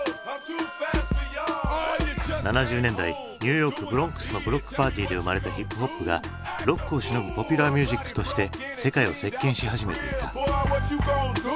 ７０年代ニューヨークブロンクスのブロックパーティーで生まれたヒップホップがロックをしのぐポピュラーミュージックとして世界を席けんし始めていた。